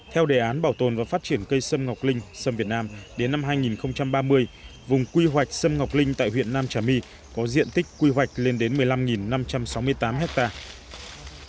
theo đề án bảo tồn và phát triển cây sâm ngọc linh sâm việt nam đến năm hai nghìn ba mươi vùng quy hoạch sâm ngọc linh tại huyện nam trà my có diện tích quy hoạch lên đến một mươi năm năm trăm sáu mươi tám hectare